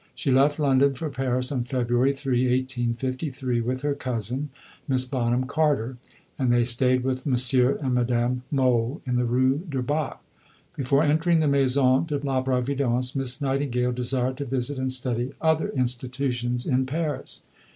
She left London for Paris on February 3, 1853, with her cousin, Miss Bonham Carter, and they stayed with M. and Madame Mohl in the Rue du Bac. Before entering the Maison de la Providence, Miss Nightingale desired to visit and study other institutions in Paris.